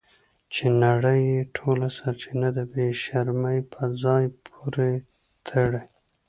چې نړۍ یې ټول سرچینه د بې شرمۍ په ځای پورې تړي.